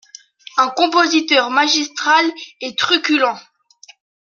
… un compositeur magistral et truculent !